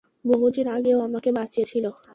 বহু দিন আগে ও আমাকে বাঁচিয়েছিল।